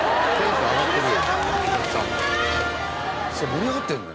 盛り上がってるね。